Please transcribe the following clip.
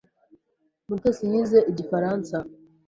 Mutesi yize igifaransa.